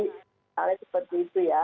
halnya seperti itu ya